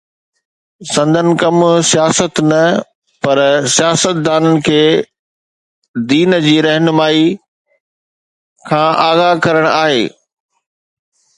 سندن ڪم سياست نه پر سياستدانن کي دين جي رهنمائيءَ کان آگاهه ڪرڻ آهي